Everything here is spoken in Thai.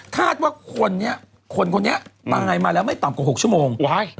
ถ้าว่าคนเนี้ยคนคนนี้ตายมาแล้วไม่ต่ำกว่าหกชูโมง